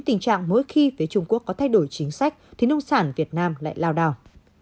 tình trạng mỗi khi phía trung quốc có thay đổi chính sách thì nông sản việt nam lại lao đào